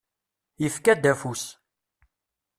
Yefka-d afus.